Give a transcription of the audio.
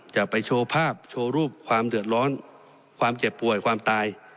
จะไปโชว์ภาพโชว์รูปความเดือดร้อนความเจ็บป่วยความตาย